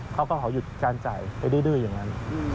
เขาก็ขอหยุดการจ่ายไปดื้ออย่างนั้น